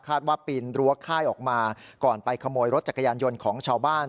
ว่าปีนรั้วค่ายออกมาก่อนไปขโมยรถจักรยานยนต์ของชาวบ้าน